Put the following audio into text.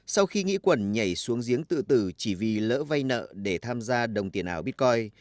sau khi nghĩ quẩn nhảy xuống giếng tự tử chỉ vì lỡ vay nợ để tham gia đồng tiền ảo bitcoin